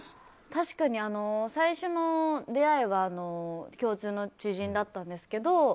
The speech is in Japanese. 確かに最初の出会いは共通の知人だったんですけど。